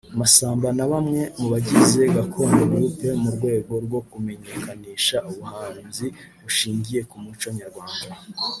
Masamba na bamwe mu bagize Gakondo Group Mu rwego rwo kimenyekanisha ubuhanzi bushingiye ku muco Nyarwanda